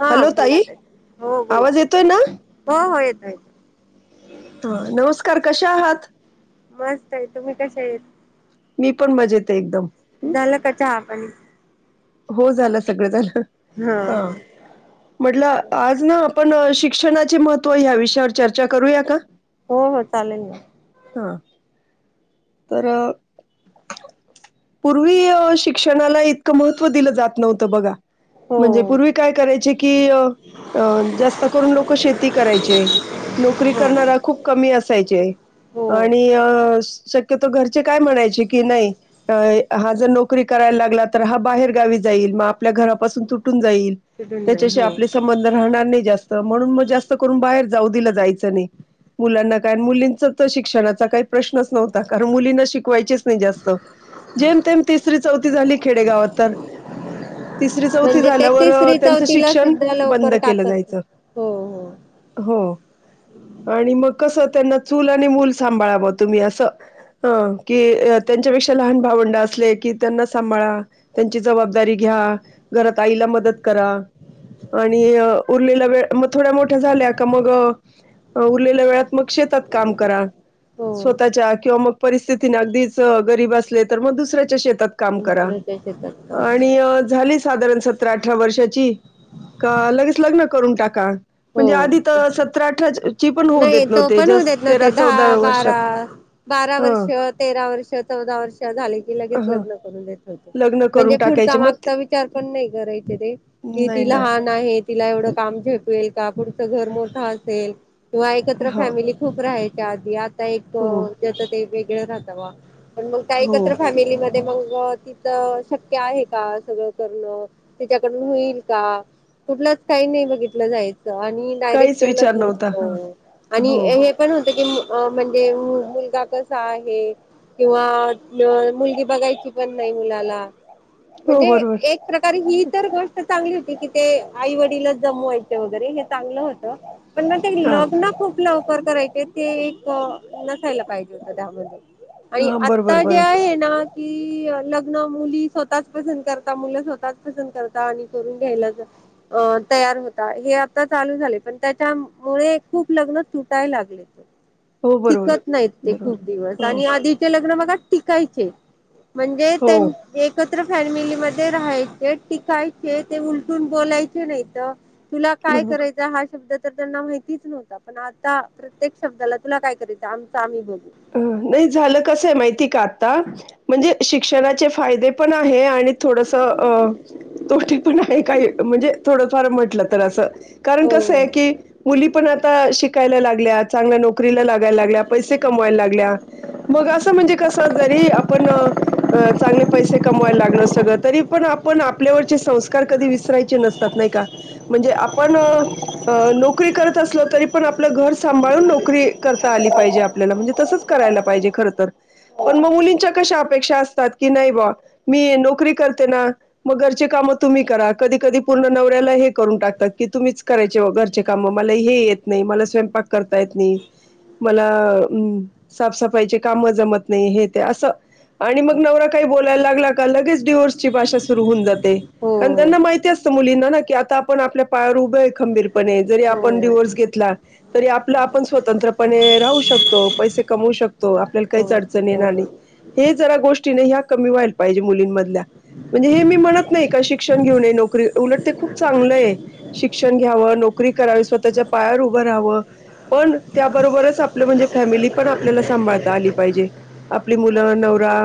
हा बोला ताई. हो बोला. आवाज येतोय ना हो हो येत [inaudible] हा नमस्कार. कशा आहात. मस्त आहे. तुम्ही कशा आहेत. मी पण मजेत आहे एकदम. हं, झालं का चहा पाणी. हो झाल. सगळं झालं. हा म्हटलं आज ना पण शिक्षणाचे महत्त्व या विषयावर चर्चा करूया का. हो हो चालेल ना. हा तर पूर्वी शिक्षणाला इतकं महत्त्व दिलं जात नव्हतं बघा. हो म्हणजे पूर्वी काय करायचे की अ अ जास्त करून लोक शेती करायचे. नोकरी हो करणारा खूप कमी अस असायचे हो आणि अ शक्यतो घरचे काय म्हणायचे की नाही, हा जर नोकरी करायला लागला तर हा बाहेर गावी जाईल. मग आपल्या घरापासून तुटुन जाईल. तिथून जाईल त्याच्याशी हो आपले संबंध राहणार नाही जास्त. तर म्हणून मग जास्त करून बाहेर जाऊ दिल जायचं नाही. मुलांना काय मुलींच तर शिक्षणाचा काही प्रश्नच नव्हता. कारण मुलींना शिकवायचेच नाही जास्त. जेम तेम तिसरी चौथी झाली खेडेगावात तर तिसरी चौथी म्हणजे ते झाल्यावर तिसरी त्यांचं चौथीला शिक्षण सुद्धा बंद लवकर केलं टाकत हो जायचं. हो हो. [inaudible] आणि मग कस त्यांना चूल आणि मूल सांभाळावं तुम्ही असं. की त्यांच्या लहान भावंड असल कि त्यांना सांभाळा. जबाबदारी घ्या. घरात आईला मदत करा. आणि उरलेला वेळ मग थोड्या मोठ्या झाल्या का मग उरलेल्या वेळात मग श शेतात काम करा. हो स्वतःच्या. किंवा मग परिस्थितीने अगदीच गरीब असले तर मग दुसऱ्याच्या शेतात. काम करा दुसऱ्याच्या शेतात. काम आणि झाली साधारण सतरा अठरा वर्षाची का लगेच लग्न करून टाका. म्हणजे आधी हो तर सतरा, अठरा नाही तो पण होऊ देत नव्हते. दहा, वर्षात बारा बारा वर्ष हं तेरा वर्ष चौदा वर्ष झाले की लगेच हं लग्न करून देत होते. लग्न म्हणजे करून पुढचा टाकायचे मग ते मागता विचार पण नाही करायचे ते कि नाही ती ना लहान आहे. तिला एवढं काम झेपेल पुढ घर मोठ असेल. किंवा एकत्र हा फॅमिली खूप राहायच्या आधी. एक हो त्या ते वेगळ राहतं पण, मग त्या हो एकत्र फॅमिली मध्ये मग तिथं शक्य आहे का, सगळं करणं तिच्याकडून होईल का? कुठलंच काही नाही बघितलं जायचं, आणि डायरेक्ट काहीच विचार नव्हता लग्नचं हा हो. की म्हणजे मुलगा कसा आहे? किंवा मुलगी बघायची पण नाही मुलाला हो म्हणजे बरोबर एक प्रकारे ही तर गोष्ट चांगली होती कि ते आई वडीलचं जमवायचे वगैरे हे चांगल होत पण नंतर हा लग्न खूप लवकर करायचे ते एक नसायला पाहिजे होत, त्यामध्ये आणि हा बरोबर आता जे बरोबर आहे ना की लग्न मुली स्वतःच पसंत करतात, मुल स्वतःच पसंत करतात आणि करून घ्यायला अ तयार होता हे आता चालू झाले, पण त्याच्यामुळे खूप लग्न तुटायला लागले. हो बरोबर टिकत नाहीत, ते खूप दिवस बरोबर हो आणि आधीचे लग्न बघा टिकायचे. म्हणजे हो त्यान एकत्र फॅमिलीमधे राहायचे, टिकायचे ते उलटून बोलायचे नाही तर तुला काय बरोबर करायचा? हा शब्द तर त्यांना माहितीच नव्हता, पण आता प्रत्येक शब्दाला तुला काय करायचं? आमच आम्ही बघु. नाही झालं कसंय माहिती का? आता म्हणजे शिक्षणाचे फायदे पण आहे आणि थोडसं अ तोटी पण आहे काही म्हणजे थोड थोड म्हटलं तर असं, कारण कसं हो आहे की मुली पण आता शिकायला लागल्या चांगल्या नोकरीला लागायला लागल्या पैसे कमवायला लागल्या, मग अस म्हणजे कस जरी आपण चांगले पैसे कमवायला लागलो तरी, पण आपण आपल्यावरचे संस्कार कधी विसरायचे नसतात नाही का? म्हणजे आपण नोकरी करत असल तरी पण, आपलं घर सांभाळून नोकरी करता आली पाहिजे आप ल्याला पण तसच करायला पाहिजे खरं तर, पण मग मुलींच्या कशा अपेक्षा असतात की नाही बा मी नोकरी करते ना, मग घरची काम तुम्ही करा कधी कधी पूर्ण नवऱ्याला हे करून टाकतात की तुम्हीच करायचे वो घरचे काम मला हे येत नाही, मला स्वयंपाक करता येत नाही मला हम साफसफाईचे काम जमत नाही, हे ते असं. आणि मग नवरा काही बोलायला लागला का लगेच डिवोर्सची भाषा सुरु होऊन जाते, कारण हो त्यांना माहिती अस तं मुलींना की, आता आपण आपल्या पायावर उभं आहे खंबीर पणे जरी हो आपण डिव्होर्स घेतला तरी, आपल आपण स्वतंत्रपणे राहू शकतो. तो पैसे कमवू शकतो, आपल्याला हो काहीच अडचण हो. येणार नाही हे जरा गोष्टी ह्या कमी व्हायला पाहिजे. मुलींमधल्या. म्हणजे हे मी म्हणत नाही का, शिक्षण घेऊ नये नोकरी उलट ते खूप चांगलं आहे शिक्षण घ्यावं नोक री करावी स्वतःच्या पायावर उभ राहावं, पण त्याबरोबरचं आपलं म्हणजे फॅमिली पण आपल्याला सांभाळता आली पाहिजे. आपली हो. मुलं, नवरा,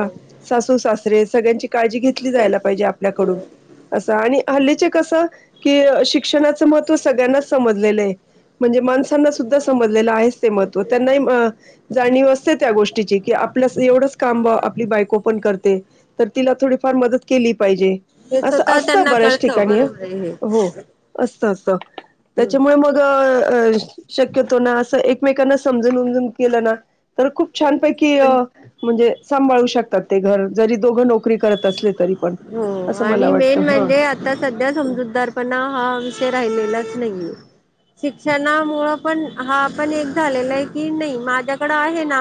सासू, सासरे सगळ्यांची काळजी घेतली जायला पाहिजे आपल्याकडून. असं आणि हल्लीचे कसं की शिक्षणाच महत्त्व सगळ्यांनाच समजलेलं आहे. म्हणजे माणसांना सुद्धा समजलेलं आहे, ते महत्व त्यांना जाणीव असते, त्या गोष्टीची की आपल्या एवढंच काम आपली बायको पण करते तिला थोडीफार मदत केली पाहिजे हे अस स्वतः असत त्यांना बऱ्याच कळतं ठिकाणी बरोबर आहे हे. हं हो अस असत हम्म त्याच्यामुळे मग शक्यतो ना, असं एकमेकांना सम जाऊन केलंना तर खूप छान पैकी पण म्हणजे अ सांभळू शकतात ते घर जरी दोघं नोकरी करत असले तरी पण. हो असं मला आणि वाटतं मेन हा म्हणजे आता सध्या समजूदार पणा हा विषय राहिलेलाच नाहीेये. शिक्षणामुळं पण हा पण एक झालेला आहे की, नाही माझ्याकडं आहे ना.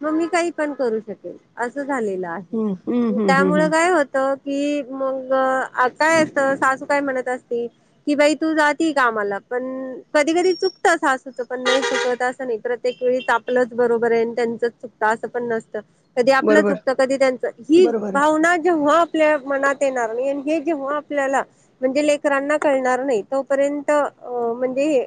मग मी काही पण करू शकेल असं झालेल हम्म हम्म आहे, हम्म हम्म त्यामुळे हम्म काय होत की मग आता येत सासू काय म्हणत असतील की बाई! तू जातीयं कामाला पण कधी कधी चुकत सासुच पण नाही चुकत असं नाही, प्रत्येक वेळीआपलंच बरोबर आहे, त्यांच चूक असं पण नसत कधी आपलं बरोबर चुकतं कधी त्यांच ही बरोबर आहे भावना जेव्हा आपल्या मनात येणार जेव्हा आपल्या म्हणजे लेकरांना कळणार नाही तोपर्यंत म्हणजे,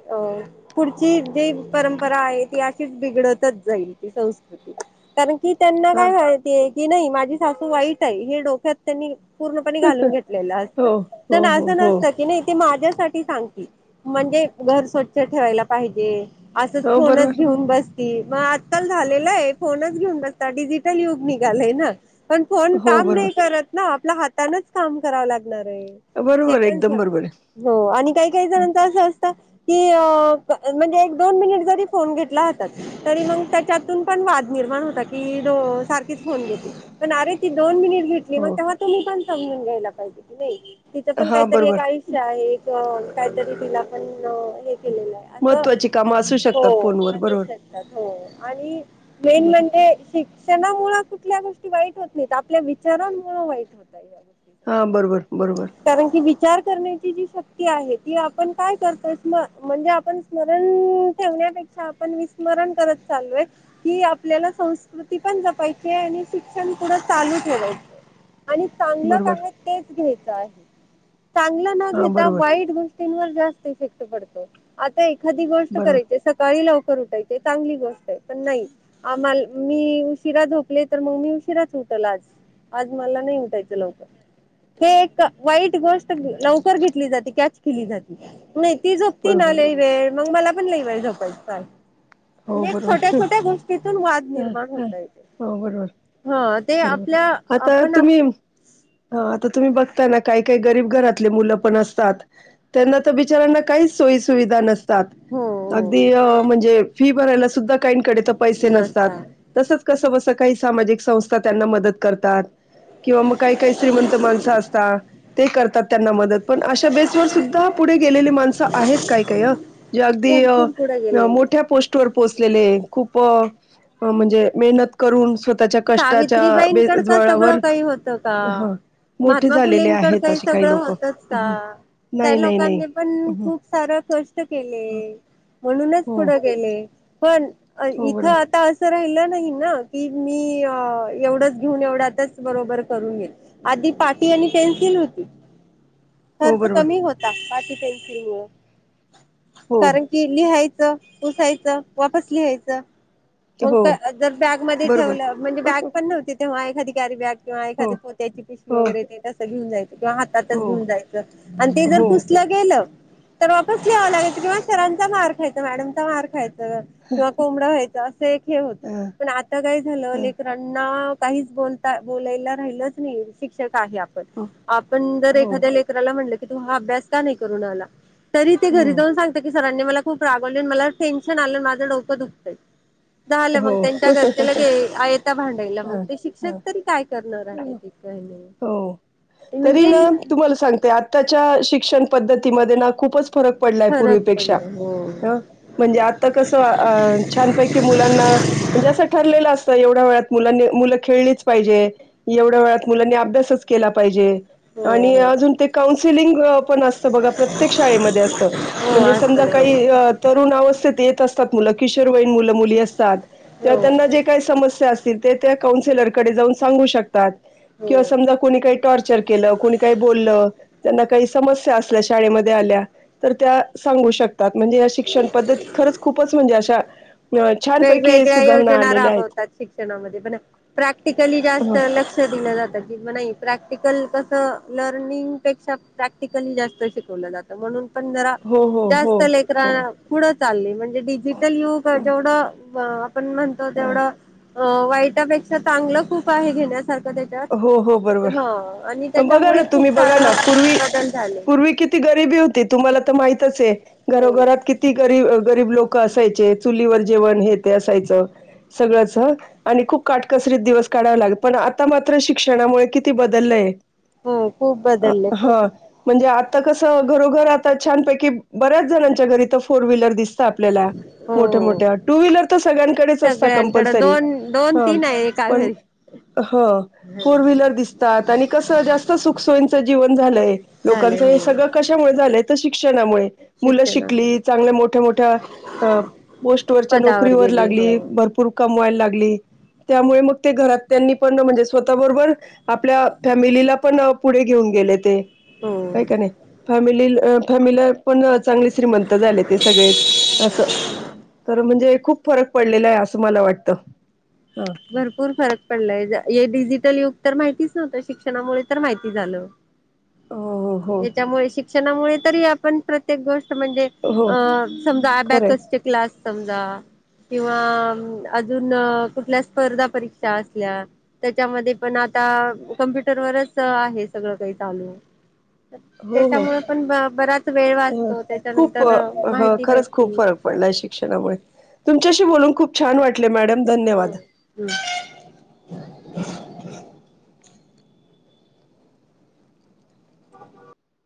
पुढची जी परंपरा आहे, ती अशीच बिघडतच जाईल ती संस्कृती कारण की त्यांना हा काय माहिती की नाही माझी सासू वाईट आहे हे डोक्यात त्यांनी, पूर्णपणे घालून घेतलेल असत, हो, पण हो, अस हो, हो, नसत की नाही ते माझ्याच साठी सांगते म्हणजे, घर स्वच्छ ठेवायला पाहिजे. असच हो फोनच बरोबर घेऊन बस ती मग आजकाल झालेला आहे, फोनच घेऊन बसतात डिजिटल युग निघालय ना? पण फोन हो काम नाही बरोबर करत ना आपल्या हातानच काम करावं लागत. बरोबर पण एकदम बरोबर हो आणि काही काही आहे. जण अस असत. की म्हणजे एक दोन मिनिट जरी फोन घेतला हो तरी मग त्याच्यातून पण वाद. निण होता की स तीच फोन घेतली, पण अरे ती दोन मिनिट घेतली, मग हो तेव्हा तुम्ही पण समजून घ्यायला पाहिजे की नाही. तिचं पण हा काहीतरी एक बरोबर आयुष्य आहे, एक काहीतरी तिला पण हे. केलेलं आहे असं महत्वाची काम. हो असच शकतात हो आणि मेन बरोबर म्हणजे, क्षणामुळे कुठल्या गोष्टी वाईट होत नाहीत, आपल्या विचारांमुळे वाईट होत. या गोष्टी हा बरोबर बरोबर कारण की विचार करण्याची जी शक्ती आप काय करो म्हणजे आप स्मरण ठेण्यापेक्षा आपण विम णत चालूय की आपल्याला संस्कृती पण जपायची आणि शिक्षण पुढं चालू ठेवायचे. आणि चांगलं बरोबर काय तेच घ्यायचं आहे. चांगलं न हा घेता बरोबर वाईट गोष्टींवर जास्त इफेक्ट पडतो, आता एखादी गोष्ट बरोबर करायची सकाळी लाव लवकर उठायचे चांगली गोष्ट आहे, पण नाही मी उशिरा झोपले तर मग मी उशिराच उ ट आज आज मला न ह उटायत लवकर. हे एक वाईट गोष्ट लवकर घेतली जाते कॅच केली जाते. नाही ती झोपती ना बरोबर बरोबर लईवेळ मग मला पण लईवेळ झोपाय चाल हो म्हणजे छोट्या - बरोबर छोट्या गोष्टीतून वाद ह निर्माण ह होता य तेे हो बरोबर ह ते बरोबर आपल्या आता आपण तुम्ही हा आता तुम्ही बघताना काही काही गरीब घरातले मुलं पण असतात त्यांना तर बिचारांना काही, सुविधा हो नसतात अगदी हो ह म्हणजे फी भरायला सुद्धा काहीकाकडे पैसे नसतात, नसता तसच कस कस काही सामाजिक संस्था त्यांना मदत करतात. किंवा मग काही काही श्रीमंत माण असत ते करतात, त्यांना मदत पण अशा बेसवर सुद्धा पुढे गेलेली माणसं आहेत काय काय हं जे अगदी भरपूर पुढे गेलेली मोठ्या पोस्ट पोहोचलेले खूप अ मेहनत करून स्व सावित्रीबाईंकड का सगळं काही होतं का? हं. मोठे महात्मा झालेले फुलेंकड आहेत काही असे सगळं लोकं. होतच का? हं, त्या नाही, नाही, नाही. लोकांनी पण हं, खूप सार कष्ट केले. म्हणूनच हो, पुढं गेले पण हो इथं बरोबर, आता असं राहिलं नाही ना की, मी एवढंच घेऊन एवढं आताच बरोबर करून ये आधी पाठी आणि पेन्सिल होती. ह. हो खर्च बरोबर. कमी होता पाटील पेन्सिल मुळ हो कारण की लिहाय पुसायचं वापस लिहायचं. मग हो जर बॅगमध्येध्ये बरोबर ठेवलं म्हणजे बॅग हो पण नव्हते, तेव्हा एखाधिकारी बॅग किंवा हो एखादी पो्याची पिशवी हो वगैरे ते तं घेऊन जायच. किंवा हातातच घेऊन जायचं आणि ते जर हो पुसलं गेलं. तर वापस लिवां लागायचं किंवा सरांचा मार खायचं मॅडमचा मार खायचं किंवा कोंबडं व्हायचं. असं एक हे होत अ पण आता काय झालं अ, लेकरणना, काहीच बता बलायला राहिलच नाही शिक्षक. आधी आपण हो आपण जर हो एखाद्या लेकला म्हटलं की तू हा अभ्यास का नाही करून आला तरी ते घरी हम्म जाऊन सांगत की सरांनी मला खूप रागवले आणि मला टेन्शन आलं माझं डोकं दुखतंय झालं हो मग त्यांच्या घरचेला घे आयता भाडं आयला मग ते ह शिक्षक तरी काय करणार आहेत काय नाही हो तरी म्हणजे ना तुम्हाला सांगते आताच्या शिक्षण पद्धतीमध्ये ना खूपच फरक पडलाय फरक पूर्वीपेक्षा पडला हो ह म्हणजे आता कसं अ छानपैकी मुलांना म्हणजे असं ठरलेलं असतं एवढ्या वेळात मुलांनी मुलं खेळलीच पाहिजे एवढ्या वेळात मुलांनी अभ्यासच केला पाहिजे. हो आणि हो अजुन ते कौन्सिल पण असते बघा प्रत्येक शाळे मध्ये असते हो म्हणजे समजा असं काही अ तरुण अवस्थेत येत असं त्यात मुलं किशोर वईन मुलं मुली असतात हो हो त्यांना जे काय समश्या आस ते ते त्या कौन्सिलर कडे जाऊन सांगू शकतात. किंवा हो समजा कोणी काही टॉर्चर केलं कुणी काही बोललं. त्यांना काही समस्या असल्या शाळेमध्ये आल्या तर त्या सांगू शकत तात म्हणजे या शिक्षण पद्धतीत खरंच खूपच म्हणजे अशा अ छानपैकी वेगवेगळ्या सुधारणा योजना आलेल्या आहेत. राबवतात [unintelligible] प्रॅक्टिकली हो जास्तं लक्ष दिल जात. नाही प्रॅक्टिकल कसं लर्निंग पेक्षा प्रॅक्टिकल जास्त शिकवलं जातं म्हणून पण जरा हो हो जास्त हो लेकरा पुढ चाल म्हणे डिजिटल युग जेवढं आपण म्हणतो हो तेवढं वाईटापेक्षा चांगलं खूप आहे घेण्यासारख हो हो त्याच्यात बरोबर ह आणि बघा ना त्याच्यामुळे खूप तुम्ही सारा बदल झाले. गरीबी होती तुम्हाला तर माहितच आहे हो घरोघरात किती गरी गरीब लोक असायचेत चुलीवर हो जेवण हे ते असायचं. सगळंच आणि खूप काटकसरीत दिवस काढाव लागत पण आ आता मात्र शिक्षणामुळे किती बदललय हो खूप बदलले हा खूप म्हणजे आता आता कस घरोघर आता छानपैकी बऱ्याच जणांच्या घरी इथ फोर व्हीलर दिसत त आपल्या मोठ्या हो मोठ्या टू व्हीलर तर सगळ्यांकडेच असत कंपलसरी हा काय घरी अह हो फोर व्हीलर दिसतातत आणि कस जास्त सुखसोयीच जीवन झालंय झाले लोकांच हो हे स कशामुळे झालंय तर शिक्षणामुळे. मुलं शिक्षणा शिकली चांगल्या मोठ्या मोठ्या पोस्ट वरच्या पदावर नोकरीवर गेले हो लागली भरपूर कम व्हायला लागली त्यामुळे मग ते घरात त्यांनी पण म्हणजे स्वतः बरोबर आपल्या फॅमिलीला पण पुढे घेऊन गेले ते. हो हाय का नाही फॅमिलील अ फॅमिला पण चांगले श्रीमंत झाले ते सगळेच असं तर म्हणजे. खूप फरक पडलेला आहे असं मला वाटतं. हा भरपूर फरक पडलाय जा हे डिजिटल युग तर माहितीच नव्हतं शिक्षणामुळे तर माहिती झालं. हो हो त्याच्यामुळे शिक्षणामुळे तरी आपण प्रत्येक गोष्ट म्हणजे हो अ समजा खरंय अब्याकस चे क्लास समजा. किंवा अजून कुठल्या स्पर्धा परीक्षा असल्या त्याच्यामध्ये पण आता कम्प्युटरवर च आहे सगळं काही चालू हो हो त्याच्यामुळे पण बराच वेळ ह वाचतो त्याच्यानंतर माहिती भेटते. हया शिक्षणा मुळे तुमच्या शी बोलून खूप छान वाटलं मॅडम. धन्यवाद हो हम [unintelligible]